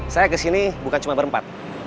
saya kesini bukan cuma berempat